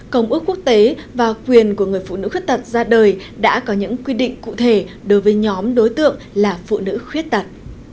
công ước quốc tế và quyền của người phụ nữ khuyết tật ra đời đã có những quy định cụ thể đối với nhóm đối tượng là phụ nữ khuyết tật